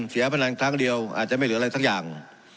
พนันครั้งเดียวอาจจะไม่เหลืออะไรสักอย่าง